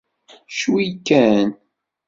Cwi kan.